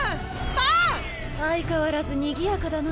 バン！相変わらずにぎやかだな